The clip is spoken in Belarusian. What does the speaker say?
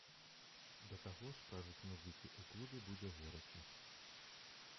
Да таго ж, кажуць музыкі, у клубе будзе горача!